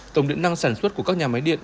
tổng điện năng sản xuất của các nhà máy điện